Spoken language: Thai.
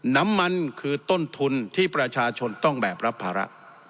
น้ำมันคือต้นทุนที่ประชาชนต้องแบกรับภาระ